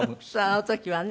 あの時はね。